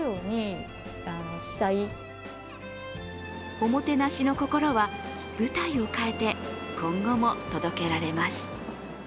おもてなしの心は舞台を変えて今後も届けられます。